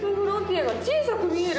あが小さく見える。